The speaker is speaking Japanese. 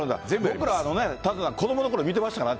僕ら、舘野さん、子どものころ見てましたからね。